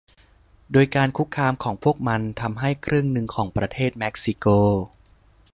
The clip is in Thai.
โดยการคุกคามของพวกมันทำให้ครึ่งหนึ่งของประเทศเม็กซิโก